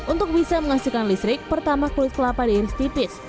untuk bisa menghasilkan listrik pertama kulit kelapa diiris tipis